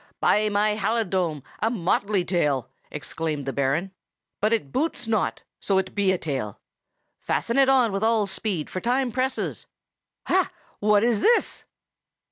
"By my halidome, a motley tail!" exclaimed the Baron. "But it boots not, so it be a tail! Fasten it on with all speed, for time presses!—ha! what is this!"